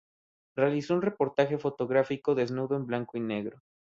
Realizó un reportaje fotográfico desnudo en blanco y negro.